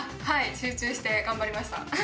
集中して頑張りました。